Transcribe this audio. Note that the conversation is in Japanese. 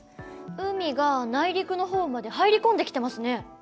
海が内陸のほうまで入り込んできてますね。